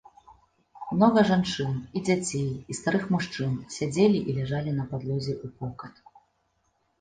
Многа жанчын, і дзяцей, і старых мужчын сядзелі і ляжалі на падлозе ўпокат.